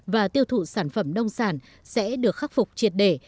và tiêu thụ sản phẩm nông sản sẽ được khắc phục triệt để